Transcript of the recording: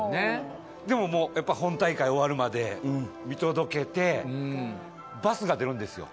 でも、本大会が終わるまで見届けて、バスが出るんですよ。